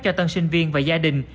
cho tân sinh viên và gia đình